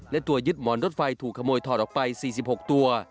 และตัวยึดหมอนรถไฟถูกขโมยถอดออกไป๔๖ตัว